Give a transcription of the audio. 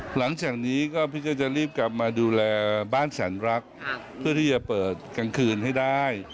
หลังจากนี้ก็พี่ก็จะรีบกลับมาดูแลบ้านแสนรักเพื่อที่จะเปิดกลางคืนให้ได้